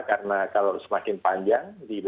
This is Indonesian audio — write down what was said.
karena kalau semakin panjang